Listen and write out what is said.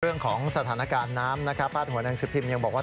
เวลาของสถานการณ์น้ำนะครับป้านท์แหวนนางซึบพิมพ์ยังบอกว่า